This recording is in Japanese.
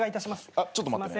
あっちょっと待ってね。